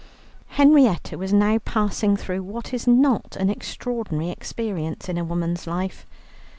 Henrietta was now passing through what is not an extraordinary experience in a woman's life.